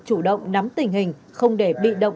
chủ động nắm tình hình không để bị động